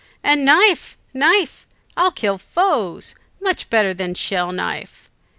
and knife knife I'll kill foes! much better than shell knife."